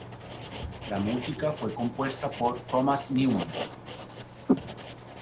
La música fue compuesta por Thomas Newman.